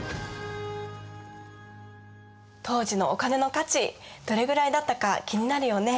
当時のお金の価値どれぐらいだったか気になるよね。